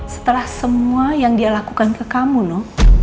setelah semua yang dia lakukan ke kamu loh